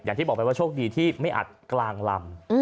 อย่างที่บอกไปว่าโชคดีที่ไม่อัดกลางลำ